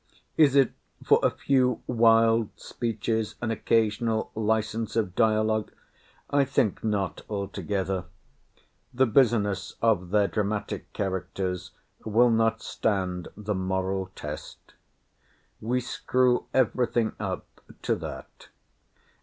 Is it for a few wild speeches, an occasional license of dialogue? I think not altogether. The business of their dramatic characters will not stand the moral test. We screw every thing up to that.